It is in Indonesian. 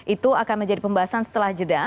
itu akan menjadi pembahasan setelah jeda